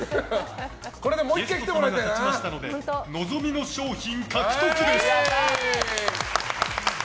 ゲストの方が勝ちましたので望みの商品獲得です。